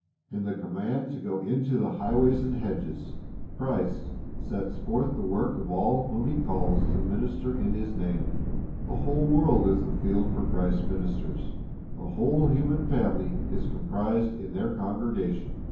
In the command to go into the highways and hedges, Christ sets forth the work of all whom He calls to minister in His name. The whole world is the field for Christ's ministers. The whole human family is comprised in their congregation.